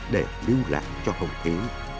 để lưu lại cho hậu thế